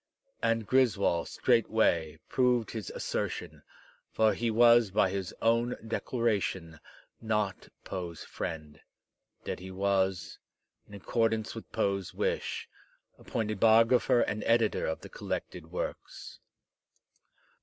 And Griswold straightway proved his assertion, for he was by his own dec laration not Poe's friend, yet he was, in accordance with Poe's wish, appointed biographer and editor of the collected works.